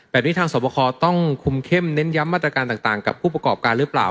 ทางสวบคอต้องคุมเข้มเน้นย้ำมาตรการต่างกับผู้ประกอบการหรือเปล่า